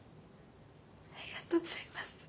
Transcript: ありがとうございます。